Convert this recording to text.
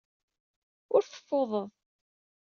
Ur teffudeḍ.